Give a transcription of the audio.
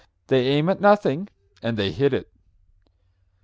They aim at nothing and they hit it.